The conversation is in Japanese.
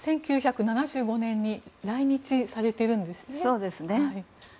１９７５年に来日されているんですね。